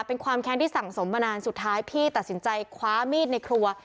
เป็นความแค้นที่สั่งสมมานานสุดท้ายพี่ตัดสินใจคว้ามีดในครัว